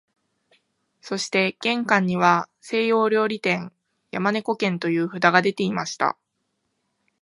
そして玄関には西洋料理店、山猫軒という札がでていました